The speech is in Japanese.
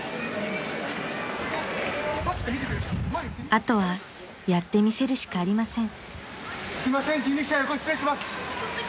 ［あとはやってみせるしかありません］